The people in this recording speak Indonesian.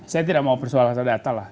saya tidak mau persoal atau data lah